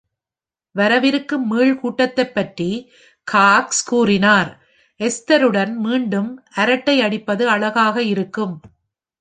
வரவிருக்கும் மீள் கூட்டத்தைப் பற்றி காக்ஸ் கூறினார்: எஸ்தருடன் மீண்டும் அரட்டை அடிப்பது அழகாக இருக்கும்.